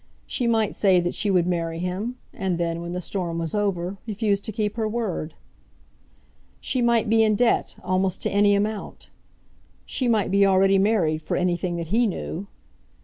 She might say that she would marry him, and then, when the storm was over, refuse to keep her word. She might be in debt, almost to any amount. She might be already married, for anything that he knew.